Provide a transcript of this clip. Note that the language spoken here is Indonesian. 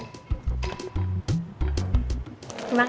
ini pakaian latihan kamu